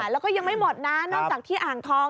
แล้วก็ยังไม่หมดนะนอกจากที่อ่างทอง